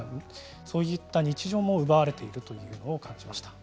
そういった日常も奪われているというのを感じました。